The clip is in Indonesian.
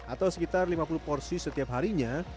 atau sekitar lima puluh porsi setiap harinya